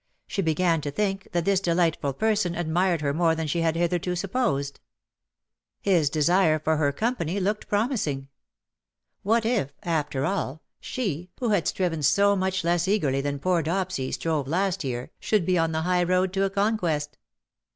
She began to think that this delightful person admired her more than she had hitherto supposed. His desire for her company 158 ^^TIME TURNS THE OLD DAYS TO DERISION. looked promising. What if^ after all^ she^ who had striven so much less eagerly than poor Dopsy strove last year, should be on the high road to a conquest.